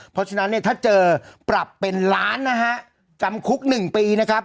เพราะฉะนั้นเนี่ยถ้าเจอปรับเป็นล้านนะฮะจำคุก๑ปีนะครับ